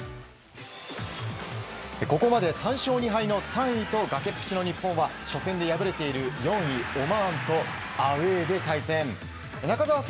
ここまで３勝２敗の３位と崖っぷちの日本は、初戦で敗れている４位オマーンとアウエーで対戦。